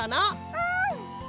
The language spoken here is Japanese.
うん！